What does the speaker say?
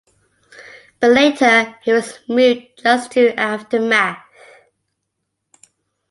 But later he was moved just to Aftermath.